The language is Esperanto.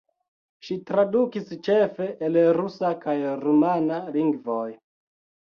Ŝi tradukis ĉefe el rusa kaj rumana lingvoj.